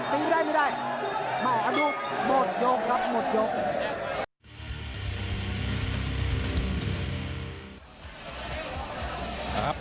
ศัตรูกู้มุดกดหมุดยก